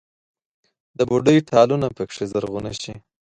د بوډۍ ټالونه پکښې زرغونه شي